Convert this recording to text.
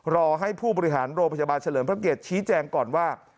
รอให้ผู้บริหารโรงพยาบาลเฉลิมพระเกียรติชี้แจงก่อนว่า